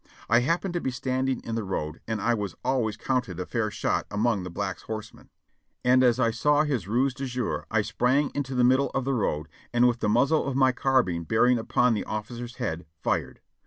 I happened to be standing in the road and I was always counted a fair shot among the Black Horsemen, and as I saw his ruse de guerre I sprang into the middle of the road, and with the muzzle of my carbine bearing upon the officer's head, fired.